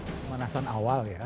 pemanasan awal ya